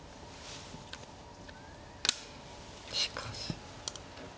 しかし。